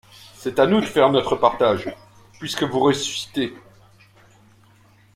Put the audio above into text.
C’est à nous de faire notre partage, puisque vous ressuscitez...